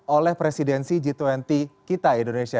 oleh presidensi g dua puluh kita indonesia